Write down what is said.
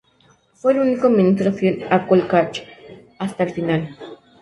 Fue el único ministro fiel a Kolchak hasta el final.